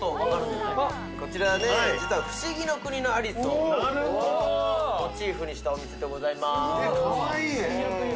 こちら実は「不思議の国のアリス」をモチーフにしたお店でございますかわいい！